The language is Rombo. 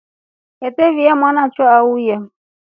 Ateiya mwanaso auye.